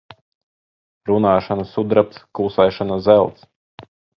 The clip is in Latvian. Runāšana sudrabs, klusēšana zelts.